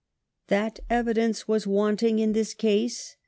That evidence was wanting in this case.